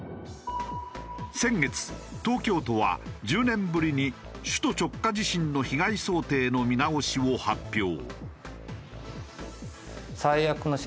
東京都は１０年ぶりに首都直下地震の被害想定の見直しを発表。